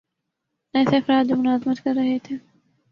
ایسے افراد جو ملازمت کررہے تھے